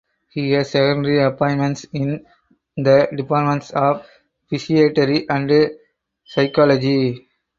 He has secondary appointments in the Departments of Psychiatry and Psychology.